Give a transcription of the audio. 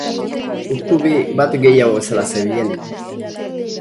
Urtubi bat gehiago bezala zebilen.